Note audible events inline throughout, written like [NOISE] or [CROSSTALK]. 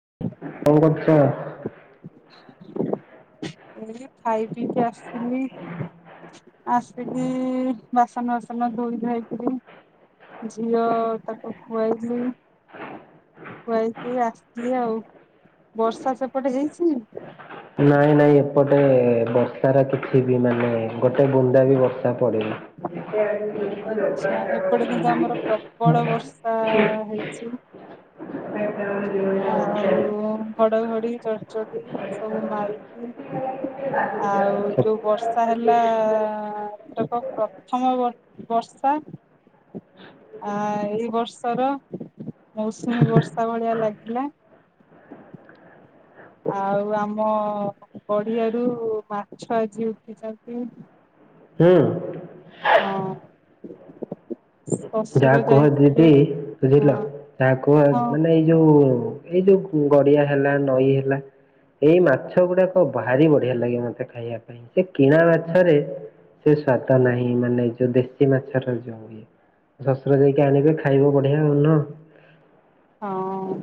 [UNINTELLIGIBLE] ଖାଇ ପିଇକି ଆସିିଲି। ଆସିକି ବାସନ ବାସନ ଧୋଇ ଧାଇକି ଝିଅ ତାକୁ ଖୁଆଇକି ଖୁଆଇକି ଆସିଛି ଆଉ ବର୍ଷା ସେପଟେ ହେଇଛି। ନାଇଁ ନାଇଁ ଏପଟେ ବର୍ଷାର କିଛି ବି ମାନେ ଗୋଟେ ବୁନ୍ଦା ବି ବର୍ଷା [INAUDIBLE] ଆଚ୍ଛା ଏପଟେ କିନ୍ତୁ ଛି। ହଁ [INAUDIBLE] ଆଉ ଘଡଘଡି ଚଡ଼ଚଡି ସବୁ ମାରିକ ଆଉ ଯୋଉ ବର୍ଷା ହେଲା ପ୍ରଥମ ବର୍ଷା। ଆ ଏଇ ବର୍ଷର ମୌସୁମୀ ବର୍ଷା ଭଳିଆ ଲା ହେଲା। ଆଉ ଆମ ପଡିଆରୁ ମାଛ ଆଜି ଉଠିଛନ୍ତି। ହୁଁ। ହଁ। ଯାହା ଶଶୁର କୁହ ଯାଇଥିଲେ ଦିଦି ବୁଝିଲ ହଁ ଯାହା କୁହ ହଁ ମାନେ ଏଇ ଯୋଉ ଏଇ ଯୋଉ ଗଡିଆ ହେଲା ନଈ ହେଲା ଏଇ ମାଛ ଗୁଡାକ ଭାରି ବଢିଆ ଲାଗେ ମତେ ଖାଇବା ପାଇଁ ସେ କିଣା ମାଛରେ ସେ ସ୍ଵାଦ ନାହିଁ ମାନେ ଯୋଉ ଦେଶୀ ମାଛର ଯଉ ଏ ଶଶୁର ଯାଇକି ଆଣିବେ ଖାଇବ ବଢିଆ ହଉନ ହଁ ଅଂ।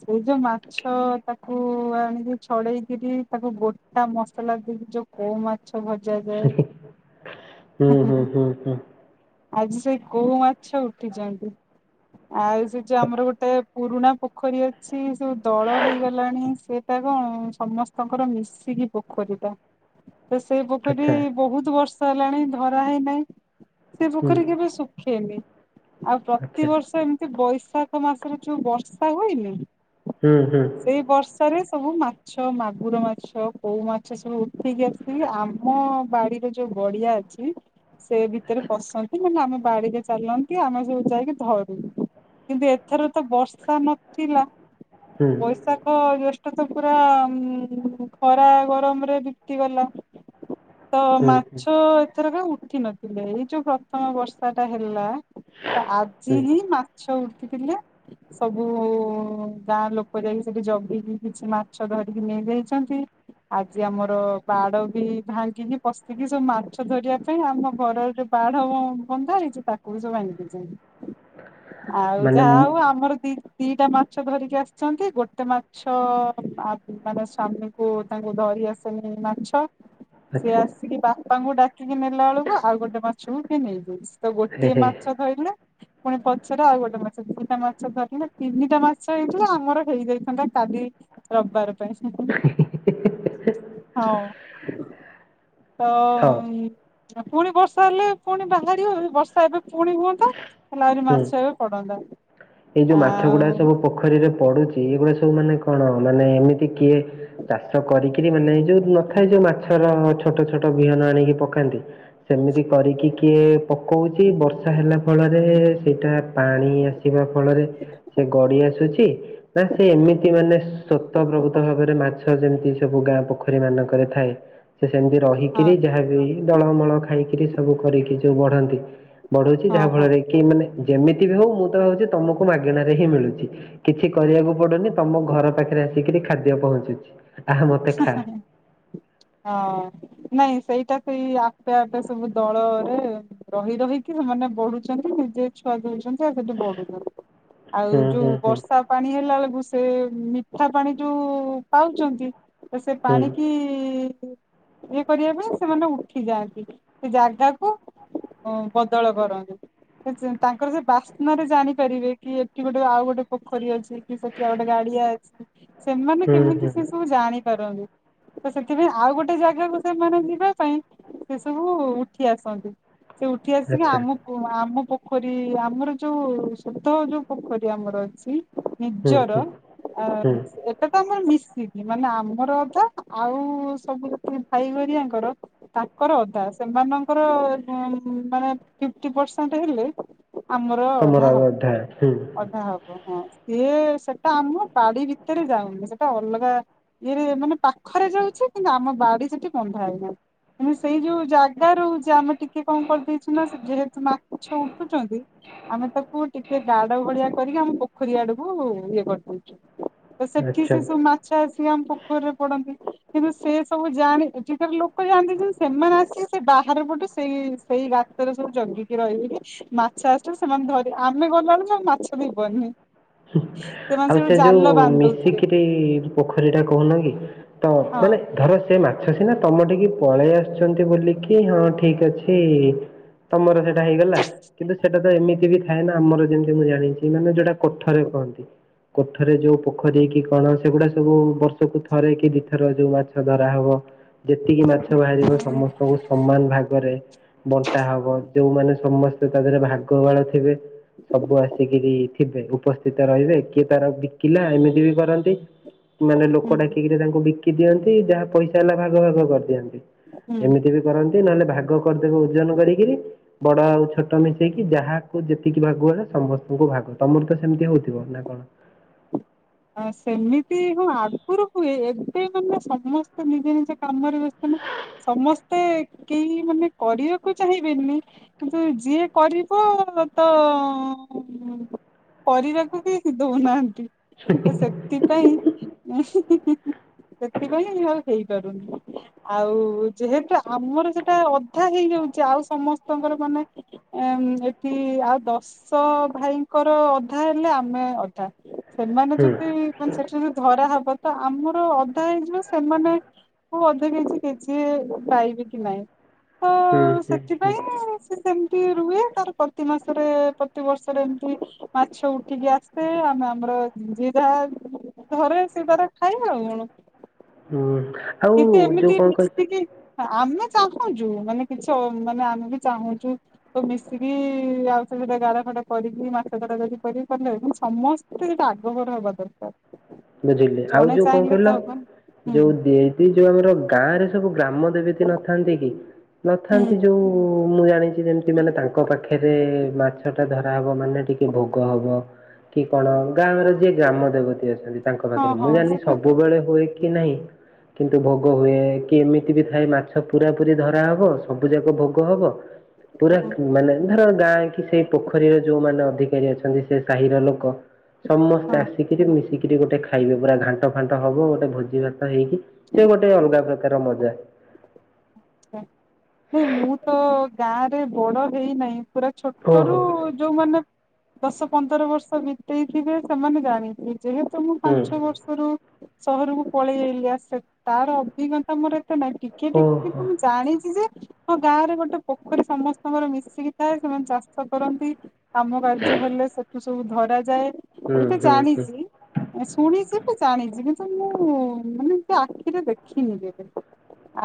ସେଇ ଯୋଉ ମାଛ ତାକୁ ଆଣିକି ଛଡେଇକିରି ତାକୁ ଗୋଟା ମସଲା ଦେଇକି ଯୋଉ କୋଉ ମାଛ ଭଜାଯାଏ। ହୁଁ ହୁଁ ହୁଁ ହୁଁ। ଆଜି ସେ କୋଉ ମାଛ ଉଠିଚନ୍ତି। ଆଉ ସେ ଯୋଉ ଆମର ଗୋଟେ ପୁରୁଣା ପୋଖରୀ ଅଛି ସବୁ ଦଳ ହେଇଗଲାଣି ସେ ତାଙ୍କ କଣ ସମସ୍ତଙ୍କର ମିଶିକି ପୋଖରୀଟା। ତ ସେଇ ପୋଖରୀ ଆଚ୍ଛା ବହୁତ ବର୍ଷ ହେଲାଣି ଧରା ହେଇନାହିଁ। ସେ ହୁଁ ପୋଖରୀ କେବେ ଶୁଖେନି। ଆଉ ଆଚ୍ଛା ପ୍ରତିବର୍ଷ ଏମିତି ବଇସ ବୈଷାଖ ମାସରେ ଯୋଉ ବର୍ଷା ହୁଏନି, ହୁଁ ହୁଁ ସେଇ ବର୍ଷାରେ ସବୁ ମାଛ ମାଗୁର ମାଛ, କଉ ମାଛ, ସବୁ ଉଠିକି ଆସିକି ଆମ ବାଡିରେ ଯୋଉ ବଡିଆ ଅଛି ସେ ଭି ଏଥିରେ ଆଚ୍ଛା ବସନ୍ତି ମାନେ ଆମେ ବାଡିରେ ଚାଲନ୍ତି ଆମେ ସବୁ ଯାଇକି ଧରୁ, କିନ୍ତୁ ଏବେ ଏଥର ତ ବର୍ଷା ନଥିଲା ହୁଁ ବୈଶାଖ ଜ୍ୟେ ତ ପୁରା ଖରା ଗରମ ରେ ବିତି ଗଲା। ତ ହୁଁ ହୁଁ ମାଛ ଏଥର କ ଉଠି ନଥିଲେ ଏଇ ଯୋଉ ପ୍ରଥମ ବର୍ଷା ଟା ହେଲା। ଆଜି ହୁଁ ହିଁ ମାଛ ଉଠିଥିଲେ। ସବୁ ଗାଁ ଲୋକ ଯାଇକି ସେଠି ଜଗିକି କିଛି ମାଛ ଧରିକି ନେଇଯାଇଛନ୍ତି। ଆଜି ଆମର ବାଡ ବି ଭାଙ୍ଗିକି ପଶିକି ସବୁ ମାଛ ଧରିବା ପାଇଁ ଆମ ଘରର ଯୋ ବାଢ ବନ୍ଧା ହେଇଛି ତାକୁ ବି ସବୁ ଦେଇଛନ୍ତି। ଆଉ ମାନେ ଯାହା ମୁଁ ହଉ ଆମର ଦି ଦିଟା ମାଛ ଧରିକି ଆସିଛନ୍ତି ଗୋଟେ ମାଛ ମାନେ ସ୍ଵମୀଙ୍କୁ ତାଙ୍କୁ ଧରି ଆସେନି ମାଛ। ସିଏ ଆଚ୍ଛା ଆସିକି ବାପାଙ୍କୁ ଡାକିକି ନେଲା ବେଳକୁ ଆଉ ଗୋଟେ ମାଛକୁ କିଏ ନେଇଯାଇଛି। ତ ହେ ଗୋଟିଏ ହେ ମାଛ ଧାଇଲେ। ପୁଣି ପଛରେ ଆଉ ଗୋଟେ ମାଛ ଦିଟା ମାଛ ଧରିଲେ ତିନିଟା ମାଛ ହେଇଥିଲା ଆମର ହେଇଯାଇଥାନ୍ତା କାଲି ରବିବାର ପାଇଁ। ହଁ ହଉ ତ ପୁଣି ବର୍ଷା ହେଲେ ପୁଣି ବାହାରିବ ବର୍ଷା ଏବେ ପୁଣି ହୁଅନ୍ତା ହେଲା ଆହୁରି ହୁଁ ମାଛ ପଡନ୍ତା। ଏଇ ଯୋଉ ମାଛ ଗୁଡା ଆଉ ସବୁ ପୋଖରୀରେ ପଡୁଛି ଏଗୁଡା ସବୁ ମାନେ କଣ ମାନେ ଏମିତି କିଏ ଚାଷ କରିକିରି ମାନେ ଯୋଉ ନଥାଏ ଯୋଉ ମାଛ ଛୋଟ ଛୋଟ ବିହନ ଆଣିକି ପକାନ୍ତି ସେମିତି କରିକି କିଏ ପକଉଛି ବର୍ଷା ହେଲା ଫଳରେ ସେଇଟା ପାଣି ଆସ ନା ସେ ଏମିତି ମାନେ ସ୍ୱତ ପ୍ରଭୃତ ଭାବରେ ମାଛ ଯେମିତି ସବୁ ଗାଁ ପୋଖରୀ ମାନଙ୍କରେ ଥାଏ ସେ ସେମିତି ହଁ ରହିକିରି ଯାହାବ ଦଳମୂଳ ଖାଇକିରି ସବୁ କରିକି ଯୋଉ ବଢନ୍ତି। ବଢଉଛି ହଁ ଯାହା ହଁ ଫଳରେ କି ମାନେ ଯେମିତି ବି ହଉ ମୁଁ ହଉଛି ତମକୁ ମାଗଣାରେ ହିଁ ମିଳୁଛି କିଛି କରିବାକୁ ପଡୁନି ତମ ଘର ପାଖରେ ଆସିକିରି। ଖାଦ୍ୟ ପହଞ୍ଚୁଛି। ଆହା ମତେ ଖା ସତରେ ହଁ ନାଇଁ। ସେଇଟା ସେଇ ଆପେ ଆପେ ସବୁ ଦଳରେ ରହି ରହିକି ସେମାନେ ବଢୁଛନ୍ତି ନିଜେ ଛୁଆ ଦେଉଛନ୍ତି ଆଉ ସେଠି ବଢୁଛନ୍ତି ଆଉ ହୁଁ ହୁଁ ଯୋଉ ହୁଁ ବର୍ଷା ପାଣି ହେଲା ବେଳକୁ। ସେ ମିଠା ପାଣି ଯୋଉ ପାଉଛନ୍ତି ତ ସେ ହୁଁ ପାଣି କି ଇଏ କରିବା ପାଇଁ ସେମାନେ ଉଠି ଯାଆନ୍ତି ସେ ଜାଗାକୁ। ଓ ବଦଳ କରନ୍ତୁ। ତାଙ୍କର ସେ ବାସ୍ନ ରେ ଜାଣିପାରିବେ କି ଏଠି ଗୋଟେ ଆଉ ଗୋଟେ ପୋଖରୀ ଅଛି କି ସେଠି ଆଉ ଗୋଟେ ଗାଡି ଆ ଅ ସେମାନେ ହୁଁ କେମିତି ହୁଁ ସେ ସବୁ ଜାଣିପାରନ୍ତି। ତ ସେଥିପାଇଁ ଆଉ ଗୋଟେ ଜାଗାକୁ ସେମାନେ ଯିବା ପାଇଁ ସେ ସବୁ ଉଠି ଆସନ୍ତି। ସେ ଉଠି ଆସିକି ଆଚ୍ଛା। ଆମକୁ ଆମ ପ ପୋଖରୀ ଆମର ଯୋଉ ସୁଧ ଯୋଉ ପୋଖରୀ ଆମର ଅଛି। ହୁଁ ନିଜର ହୁଁ ଆ ହୁଁ ଏଟା ତା ଆମର ମିସ ମାନେ ଆମର ଅଧା ଆଉ ସବୁ ଭାଇଗରିଆଙ୍କର ତାଙ୍କର ଅଧା ସେ ମାନଙ୍କର ମାନେ ଫିପଟି ପରସେଣ୍ଟ ହେଲେ। ଆମର ତମର ଅଧା ଆଉ ହବ ହୁଁ ଅଧା ହବ ହଁ। ସିଏ ସେଟା ଆମ ବାଡି ଭିତରେ ଯାଉନି ସେଟା ଅଲଗା। ଇଏରେ ମାନେ ପାଖରେ ଯାଉଛି କିନ୍ତୁ ଆମ ବାଡି ସେଠି ବନ୍ଧା ହେଇନାହିଁ। ଏ ସେଇ ଯୋଉ ଜାଗା ରହୁଛି ଆମେ ଟିକେ କଣ କରିଦେଇଛୁ ନା ଯେହେତୁ ମା ଉଠୁଛନ୍ତି। ଆମେ ତାକୁ ଟିକେ ଗାଡ ଭଳିଆ କରିକି ଆମ ପୋଖରୀ ଆଡକୁ ଇଏ କରିଦଉଛୁ। ସେଠି ସେ ସବୁ ଆଚ୍ଛା। ମାଛ ଆ ପୋଖରୀରେ ପଡନ୍ତି କିନ୍ତୁ ସେ ସବୁ ଯାଣି ଏଠିକାର ଲୋକ ଯାଆନ୍ତି ଯେ ସେମାନେ ଆସିକି ବାହାର ପଟେ ସେଇ ସେଇ ରାସ୍ତାରେ ସବୁ ଜଗିକି ରହିବ ମାଛ ଆସିଲେ ସେମାନେ ଧରି ଆମେ ଗ କଣ କଣ ମାଛ ଯିବନି। ଆଉ ସେ ଯୋଉ ଦଉଥିବେ ମିଶିକିରି ପୋଖରୀ ଟା କହୁନ କି ତ ହଁ ମାନେ ଧର ସେ ମା ଆଛା ସିନା ତମ ଟିକେ ପଳେଇ ଆସୁଛନ୍ତି ବୋଲିକି ହଁ ଠିକ ଅଛି। ତମର ସେଇଟା ହେଇଗଲା କିନ୍ତୁ ସେଇଟା ତ ଏମିତି ବି ଥାଏ ନା ଆମର ଯେମିତି ମୁଁ ଜାଣିଛି ମାନେ ଯୋଉଟା। କୋଠାରେ କୁହନ୍ତି। କୋଠରେ ଯୋଉ ପୋଖରୀ କି କଣ ସେଗୁଡା ସବୁ ବର୍ଷକୁ ଥରେ କି ଦିଇଥର ଯୋଉ ମାଛ ଧରା ହବ। ଯେତିକି ମାଛ ବାହାରିିବ ସମସ୍ତଙ୍କୁ ସମାନ ଭାଗରେ ବଣ୍ଟା ହବ। ଯୋଉମାନେ ସମସ୍ତେ ତା ଦେହରେ ଭାଗବାଳ ଥିବେ ସବୁ ଆସିକିରି। ଉପସ୍ଥିତ ରହିବେ କିଏ ତାର ବିକିଲା ଏମିତି ବି କରନ୍ତି। ମାନେ ଲୋକ ହୁଁ ଡାକିକିରି ତାଙ୍କୁ ବିକି ଦିଅନ୍ତି ଯାହା ପଇସା ହେଲା ଭାଗ ଭାଗ କରିଦିଅନ୍ତି। ହୁଁ। ଏମିତି ବି କରନ୍ତି ନହେଲେ ଭାଗ କରିଦେବ ଓଜନ କରିକିରି। ବଡ ଆଉ ଛୋଟ ମିଶେଇକି ଯାହାକୁ ଯେତିକି ଭାଗୁଗଲେ ସମସ୍ତଙ୍କୁ ଭାଗୁ। ତମର ତ ସେମିତି ହଉଥିବ ନା କଣ। ଆ ସେମିତି ହଁ ଆଗଗରୁ ହୁଏ। ଏତେ ମାନେ ସମସ୍ତେ ନିଜେ ନିଜ ବ୍ୟସ୍ତ ନା। ସମସ୍ତେ କେହି ମାନେ କରିବାକୁ ଚାହିଁବେନି କିନ୍ତୁ ଯିଏ କରିବ କରିବାକୁ ବି ଦଉନାହାନ୍ତି। ତ ସେଥିପାଇଁ ଉଁ-ହିଁ-ହିଁ-ହିଁ ସେଥିପାଇଁ ଆଉ ହେଇପାରୁନି। ଆଉ ଯେହେତୁ ଆମର ସେଟା ଅଧା ହେଇଯାଉଛି ଆଉ ସମସ୍ତଙ୍କର ମାନେ ଏ ଏଠି ଆଉ ଦଶ ଭାଇଙ୍କର ଅଧା ହେଲେ ଆମେ ଅଧା। ସେମାନେ ହୁଁ ଯଦି ମାନେ ସେଠି ଯଦି ଧରା ହବ ତ ଆମର ଅଧା ହେଇଜିବ ସେମାନେ କୋଉ ଅଧା କେଜି କେଜିଏ ପାଇବେ କି ନାହିଁ। ହୁଁ ହ ହୁଁ ହୁଁ ସେଥିପାଇଁ ସେ ସେମ୍ ରୁହେ ତାର ପ୍ରତି ମାସରେ ପ୍ରତି ବର୍ଷରେ ଏମିତି ମାଛ ଉଠିକି ଆସେ ଆମେ ଆମର ଜିରା ଘରେ ସିଏ ତାର ଖାଏ ଆଉ କଣ? ହୁଁ। ଆଉ କିନ୍ତୁ ଯୋଉ ଏମିତି କଣ କହିଲ ମିଶକି ଆମେ ଚାହୁଁଛୁ ମାନେ କିଛି ମାନେ ଆମେ ବି ଚାହୁଁଛୁ ତ ମିଶିକି ଆଉ ସେ ଗା କରିକି ମାସ ଧର ଯଦି କରିବି ସମସ୍ତେ ସେଟା ଆଗଭର ହବା ଦରକାର। ବୁଝିଲେ ଆଉ ଜଣେ ଯୋଉ କଣ ଚାହିଁଲେ ତ କହିଲ ହବନି ହୁଁ ଯୋଉ ଏ ଯୋଉ ଆମର ଗାଁରେ ସବୁ ଗ୍ରାମ ଦେବତୀ ନଥାନ୍ତି କି ହୁଁ ନଥାନ୍ତି ଯୋଉ ମୁଁ ଜାଣିଛି ଯେମିତି ମାନେ ତାଙ୍କ ପାଖରେ ମାଛ ଟା ଧରାହବ ମାନେ ଟିକେ ଭୋଗ ହବ। କି କଣ ଗାଁର ଯିଏ ଗ୍ରାମ ଦେବତୀ ଅଛନ୍ତି ତାଙ୍କ ହଁ ପାଖରେ ମୁଁ ହଁ ଜାଣିନି ସେଟା ସବୁବେଳେ ହୁଏ କି ନାହିଁ? କିନ୍ତୁ ଭୋଗ ହୁଏ, କି ଏମିତି ବି ଥାଏ ମାଛ ପୁରା ପୁରି ଧରା ହବ, ସବୁ ଯାକ ଭୋଗ ହବ ପୁରା ହଁ ମାନେ ଧର ଗାଁ - ସେଇ ପୋଖରୀର ଯୋଉମାନେ ଅଧିକାରୀ ଅଛନ୍ତି ସେ ସାହିର ଲୋକ ସମସ୍ତେ ହଁ ଆସିକିରି ମିଶିକି ଗୋଟେ ଖାଇବେ ପୁରା ଘାଣ୍ଟ ଫାଣ୍ଟ ହବ ଗୋଟେ ଭୋଜି ଭାତ ହେଇକି ସେ ଗୋଟେ ଅଲଗା ପ୍ରକାର ମଜା। ହେ ମୁଁ ତ ଗାଁ ରେ ବଡ ହେଇନାହିଁ। ପୁରା ଛୋଟ ଓହୋ ରୁ ଯୋଉମାନେ ଦଶ ପନ୍ଦର ବର୍ଷ ବିତେଇଥିବେ ସେମାନେ ଜାଣିଥେ ଯେହେତୁ ମୁଁ ହୁଁ ପାଞ୍ଚ ବର୍ଷରୁ ସହରକୁ ପଳେଇ ଆଇଲି ଆ ତାର ଅଭିଜ୍ଞତା ମୋର ଏତେ ନାହିଁ ଟିକେ ଟିକେ ଓହୋ ମୁଁ ଜାଣିଛି ଯେ ହଁ ଗାଁ ରେ ଗୋଟେ ପୋଖରୀ ସମସ୍ତଙ୍କର ମିଶିକି ଥାଏ ସେମାନେ ଚାଷ କରନ୍ତି। କାମ କାର୍ଯ୍ୟ ହେଲେ ସେଠୁ ସବୁ ଧରା ଯାଏ। ହୁଁ ଏଇଟା ହୁଁ ହୁଁ ଜାଣିଛି ଶୁଣିଛିବି ଜାଣିଛିବି। ମୁଁ ମାନେ ସେ ଆଖିରେ ଦେଖିନି କେ,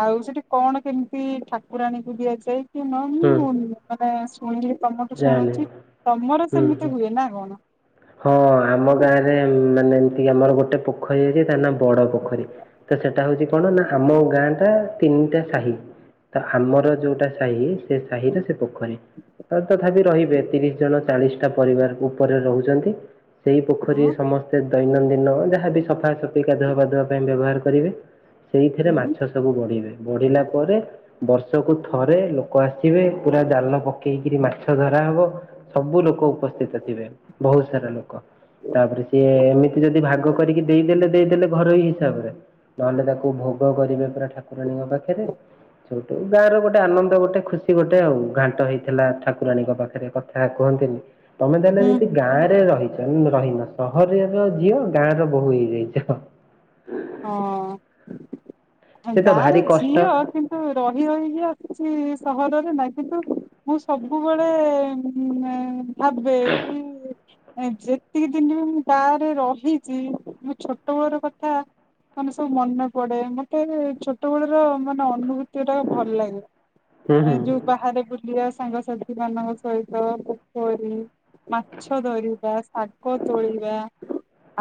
ଆଉ ସେଠି କଣ କେମିତି ଠାକୁରାଣୀକୁ ଦିଆଯାଏ କି ନ ହୁଁ ମୁଁ ମାନେ ଶୁ ମୁୁଁ ତମଠୁ ଜାଣିଲି ଶୁଣୁଛି ତମର ହୁଁ ହୁଁ ସେମିତି ହୁଏ ନା କଣ? ହଁ ଆମ ଗାଁରେ ମାନେ ଏମତି କି ଆମର ଗୋଟେ ପୋଖରୀ ଅଛି ତା ନା ବଡ ପୋଖରୀ ତ ସେଟା ହଉଛି କଣ ନା ଆମ ଗାଁ ଟା ତିନିଟା ସାହି, ତ ଆମର ଯୋଉଟା ସାହି ସେ ସାହିରେ ସେ ପୋଖରୀ ତ ତଥାପି ରହିବେ ତିରିଶ ଜଣ ଚାଳିଶ ଟା ପରିବାର ଉପରେ ରହୁଛନ୍ତି। ସେଇ ହଁ ପୋଖରୀରେ ସମସ୍ତେ ଦୈନନ୍ଦିନ ଯାହାବି ସଫାସଫି ଗାଧୁଆ ପାଧୁଆ ପାଇଁ ବ୍ୟବହାର କରିବେ। ସେଇଥିରେ ହୁଁ। ମାଛ ସବୁ ବଢିବେ, ବଢିଲା ପରେ ବର୍ଷକୁୁ ଥରେ ଲୋକ ଆସିବେ ପୁରା ଜାଲ ପକେଇକିରି ମାଛ ଧରାହବ, ସବୁ ଲୋକ ଲୋକ ଉପସ୍ଥିତ ଥିବେ ବହୁତ ସାରା ଲୋକ ତାପରେ ସିଏ ଏମିତି ଯଦି ଭାଗ କରିକି ଦେଇଦେଲେ ଦେଇଦେଲେ ଘରୋଇ ହିସାବରେ ନହେଲେ ତାକୁ ଭୋଗ କରିବେ ପୁରା ଠାକୁରାଣୀଙ୍କ ପାଖରେ। ସେଠୁ ଗାଁର ଗୋଟେ ଆନନ୍ଦ ଗୋଟେ ଖୁସି ଗୋଟେ ଆଉ, ଘାଣ୍ଟ ହେଇଥିଲା ଠାକୁରାଣୀଙ୍କ ପାଖରେ କଥା କୁହନ୍ତିନି। ତମେ ତାହଲେ ଯଦି ହୁଁ ଗାଁରେ ରହିଛ ରହିନ ସହରର ଝିଅ ଗାଁ ର ବୋହୁ ହେଇଯାଇଛ। ହଁ ସେ ତ ଗାଁ ର ଭାରି କଷ୍ଟ ଝିଅ କିନ୍ତୁ ରହି ରହିକି ଆ କିଛି ସହରରେ ନାହିଁ କିନ୍ତୁ ମୁଁ ସବୁବେଳେ-ମ ଭାବେ [UNINTELLIGIBLE] ଯେତିକି ଦିନ ବି ମୁଁ ଗାଁ ରେ ରହିଛି ମୋ ଛୋଟ ବେଳର କଥା ମାନେ ସବୁ ମନେ ପଡେ ମତେ ଛୋଟବେଳର ମାନେ ଅନୁଭୂତି ଟା ଭଲ ଲାଗେ ହୁଁ ଏ ହୁଁ ଯୋଉ ବାହାରେ ବୁଲିବା ସାଙ୍ଗା ସାଥିମାନଙ୍କ ସହିତ ପୋଖରୀ ମାଛ ଧରିବା ଶାଗ ତୋଳିିବା।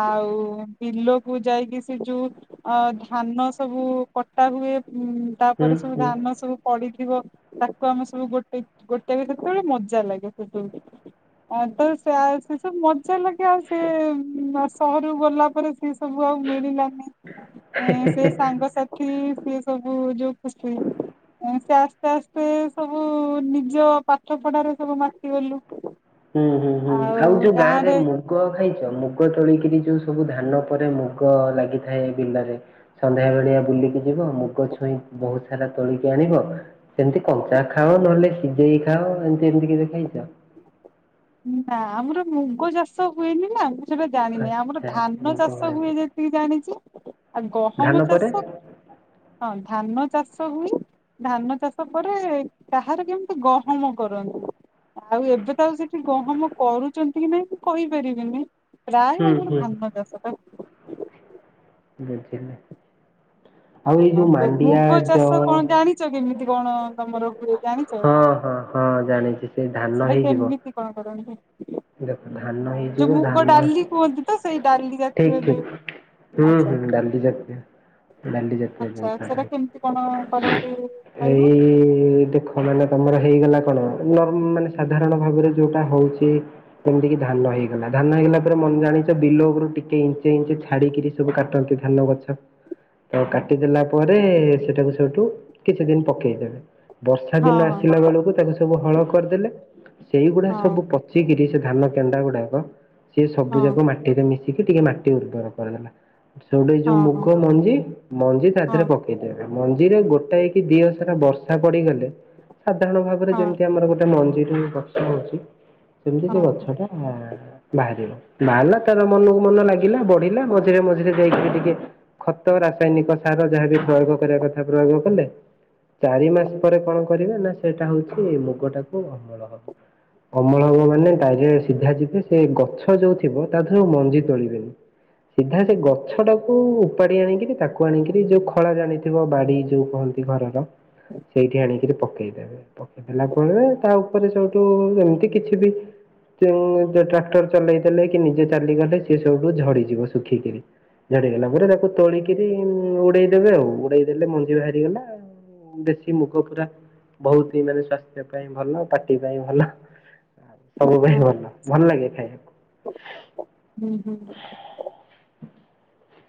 ଆଉ ବିଲକୁ ଯାଇକି ସେ ଯୋଉ ଅ ଧାନ ସବୁ କଟା ହୁଏ। ହୁଁ ହୁଁ ତାପରେ ସବୁ ହୁଁ। ଧାନ ସବୁ ପଡି ଥିବ ତାକୁ ଆମେ ସବୁ ଗୋଟେ ଗୋଟେ ବି ସେତେବେଳେ ମଜା ଲାଗେ ସେତେବେଳେ। ଆ ତ ସେ ସେ ସବୁ ମଜା ଲାଗେ ଆଉ ସେ ସହରକୁ ଗଲା ପରେ ସେ ସବୁ ଆଉ ମିଳିଲାନି। ସେ ସାଙ୍ଗସାଥି ସିଏ ସବୁ ଯୋଉ ଖୁସି। ସେ ଆସ୍ତେ ଆସ୍ତେ ସବୁ ନିଜ ପାଠ ପଢାରେ ସବୁ ମାତିଗଲୁ। ହୁଁ ହୁଁ ହୁଁ ଆଉ ଯୋଉ ଗାଁ ରେ ମୁଗ ଖାଇଛ ମୁଗ ତୋଳିକି। ଯୋଉ ସବୁ ଧାନ ପରେ ମୁଗ ଲାଗିଥାଏ। ବିଲରେ ସନ୍ଧ୍ୟାବେଳିଆ ବୁଲିକି ଯିବ। ମୁଗ ଛୁଇଁ ବହୁତ ସାରା ତୋଳିକି ଆଣିବ। ସେମିତି କଞ୍ଚା ଖାଅ ନହେଲେ ସିଝେଇ ଖାଅ। ଏମତି ଏମତି କେବେ ଖାଇଛ। ନା ଆମର ମୁଗ ଚାଷ ହୁଏନି ନା। ସେବେ ଜାଣିନି ଆମର ଆଚ୍ଛା ଧାନ ମୁଗ ଚାଷ ହଳଦୀ ହୁଏ ଯେତିକି ଜାଣିଛି। ଆଉ ଧାନ ଗହମ ପରେ ଚାଷ ହଁ ଧାନ ଚାଷ ହୁଏ। ଧାନ ଚାଷ ପରେ କାହାର କେମିତି ଗହମ କରନ୍ତି। ଆଉ ଏବେ ତ ଆଉ ସେଠି ଗହମ କରୁଛନ୍ତି କି ନାଇଁ ମୁଁ କହିପାରିବିନି। ପ୍ରାୟ ହୁଁ ଆମର ହୁଁ। ଧାନ ଚାଷ। ବୁଝିଲି। [INAUDIBLE] ଆଉ ଓ ଏଇ ଯୋଉ ତ ମାଣ୍ଡିଆ ମୁଗ ଯଅ ଚାଷ କଣ ଜାଣିଛ କେମିତି କଣ ତମର ହୁଏ ଜାଣିଛ। ହଁ ହଁ ହଁ ଜାଣିଛି ସେ ଧାନ ସେଟା ହେଇଯିବ କେମିତି କଣ କରନ୍ତି। ଦେଖ ଧାନ ହେଇଯିବ ଯୋଉ ମୁଗ ଧାନ ଡାଲି କୁହନ୍ତି। ତ ସେଇ ଡାଲି ଠିକ ଜାତୀୟ ଯୋଉ ଠିକ ହୁଁ ଆଚ୍ଛା ହୁଁ ଡାଲି ଜାତୀୟ ଡାଲି ଜାତୀୟ ଆଚ୍ଛା ସେଟା କେମିତି କଣ ଜିନିଷଟା। କରନ୍ତି କହିବ? ଏଇ ଦେଖ ମାନେ ତମର ହେଇଗଲା। ଆପଣ ନର୍ ମାନେ ସାଧାରଣ ଭାବରେ ଯୋଉଟା ହେଉଛି। ଯେମତି କିି ଧାନ ହେଇଗଲା। ଧାନ ହେଇଗଲା ପରେ ମନେ ଜାଣିଛ ବିଲୋ ଉପ ଟିକେ ଇଞ୍ଚେ ଇଞ୍ଚେ ଛାଡିକିରି ସବୁ କାଟନ୍ତି। ଧାନ ବଛା। ତ କାଟିଦେଲା ପରେ ସେଟାକୁ ସେଇଠୁ କିଛି ଦିନ ପକେଇଦେବେ। ବର୍ଷା ହଁ ଦିନ ହଁ ଆସିଲା ବେଳକୁ ତାକୁ ସବୁ ହଳ କରିଦେଲେ। ସେଇଗୁଡା ହଁ ସବୁ ପଚିକିରି ସେ ଧାନ କେଣ୍ଡା ଗୁଡାକ ସିଏ ସବୁ ହଁ ଯାକ ମାଟିରେ ମିଶିକି ଟିକେ ମାଟି ଉର୍ବର କରିଦେଲା। ସେଇଟା ଏ ଯୋଉ ହଁ ହଁ ମୁଗ ମଞ୍ଜି ମଞ୍ଜି ତା ହଁ ଦେହରେ ପକେଇଦେବେ। ମଞ୍ଜିରେ ଗୋଟାଇକ କି ଦି ହସାରା ବର୍ଷା ପଡିଗଲେ। ସାଧାରଣ ଭାବରେ ହଁ ଯେମିତି ଆମର ଗୋଟେ ମଞ୍ଜିରୁ ଗଛ ହଉଛି। ସେମିତି ସେ ହଁ ଗଛ ହ ବାହାରିବ ବାହାରିଲା ତାର ମନକୁ ମନ ଲାଗିଲା। ବଢିଲା ମଝିରେ ମଝିରେ ଯାଇକି ଖତ ରାସାୟନିକ ସାର ଯାହାବି ପ୍ରୟୋଗ କରିବା କଥା ପ୍ରୟୋଗ କଲେ। ଚାରି ମାସ ପରେ କଣ କରିବେ ନା ସେଇଟା ହଉଛି ମୁଗ ଟାକୁ ଅମଳ ହବ। ଅମଳ ହବ ମାନେ। ଗରେ ସିଧା ଯିବେ ସେ ଗଛ ଯୋଉ ଥିବ ତା ଧରୁ ମଞ୍ଜି ତୋଳିବେନି। ସିଧା ସେ ଗଛ ଟାକୁ ଉପାଡି ଆଣିକିରି ତାକୁ ଆଣିକିରି ଯୋଉ ଖଳା ଜାଣିଥିବ ବାଡି ଯୋଉ କହନ୍ତି। ଘରର। ସେଇଠି ଆଣିକିରି ପକେଇଦେବେ ପକେଇଦଲା ପରେ ତା ଉପରେ ସୋଉଠୁ ଏମିତି କିଛି ବି। ଟ୍ରାକ୍ଟର ଚଲେଇ ଦେଲେ କି ନିଜେ ଚାଲିଗଲେ ସ ସବୁଠୁ ଝଡିଯିବ ଶୁଖିକିରି। ଝଡିଗଲା ପରେ ତାକୁ ତୋଳିକିରି ଉଡେଇଦେବେ ଆଉ। ଉଡେଇଦେଲେ ମଞ୍ଜି ବାହାରି ଗଲାଉ। ଦେଶୀ ମୁଗ ପୁରା। ବହୁତ ହିଁ ମାନେ ସ୍ଵାସ୍ଥ୍ୟ ପାଇଁ ଭଲ ପାଟି ପାଇଁ ଭଲ ଆ। ସବୁ ପାଇଁ ହଁ ଭଲ। ଭଲ ଲାଗେ ଖାଇବାକୁ। ହୁଁ ହୁଁ।